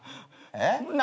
えっ？